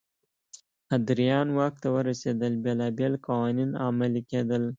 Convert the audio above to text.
ادریان واک ته ورسېدل بېلابېل قوانین عملي کېدل.